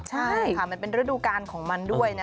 ใช่ค่ะมันเป็นฤดูกาลของมันด้วยนะ